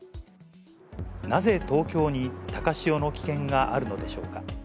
なぜ、東京に高潮の危険があるのでしょうか。